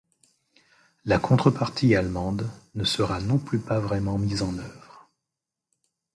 La contrepartie allemande ne sera non plus pas vraiment mise en œuvre.